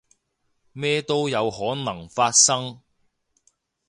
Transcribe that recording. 咩都有可能發生